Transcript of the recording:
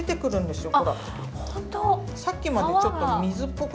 さっきまでちょっと水っぽく